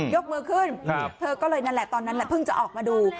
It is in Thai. ยกมือขึ้นเธอก็เลยนั่นแหละตอนนั้นแหละเพิ่งจะออกมาดู